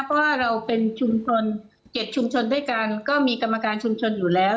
เพราะว่าเราเป็นชุมชน๗ชุมชนด้วยกันก็มีกรรมการชุมชนอยู่แล้ว